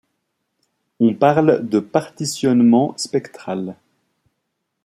On parle de partitionnement spectral.